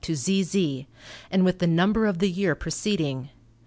to ZZ, and with the number of the year preceding.